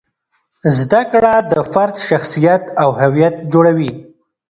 زده کړه د فرد شخصیت او هویت جوړوي.